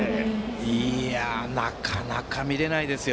いやあ、なかなか見られないですよ！